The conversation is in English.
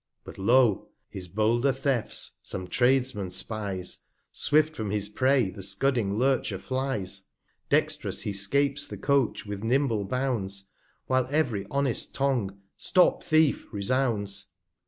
But lo ! his bolder Thefts some Tradesman spies, Swift from his Prey the scudding Lurcher flies ; Dext'rous he scapes the Coach, with nimble Bounds, While ev'ry honest Tongue Stop Thief resounds.